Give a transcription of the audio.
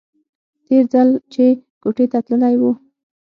تېر ځل چې کوټې ته تللى و.